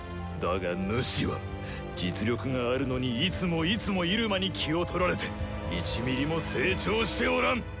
だがヌシは実力があるのにいつもいつも「イルマ」に気を取られて１ミリも成長しておらん！